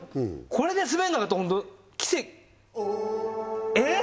これで滑んなかったらホント奇跡えっ！？